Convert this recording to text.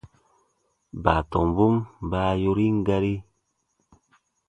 Baatɔmbun baa yorin gari.